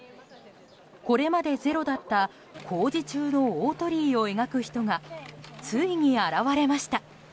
これまでゼロだった工事中の大鳥居を描く人がついに現れました。